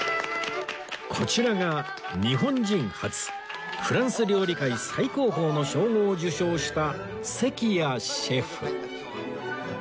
こちらが日本人初フランス料理界最高峰の称号を受賞した関谷シェフ